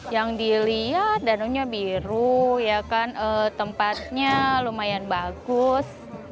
yang dilihat danaunya biru tempatnya lumayan bagus